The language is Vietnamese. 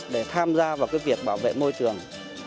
để tham gia vào việc bảo vệ môi trường